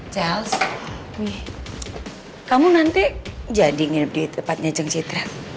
chels nih kamu nanti jadi nginep di tempatnya ceng citra